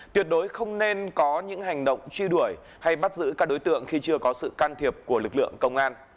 tuyệt đối không nên có những hành động truy đuổi hay bắt giữ các đối tượng khi chưa có sự can thiệp của lực lượng công an